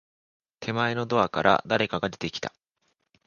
手前のドアから、誰かが出てきた。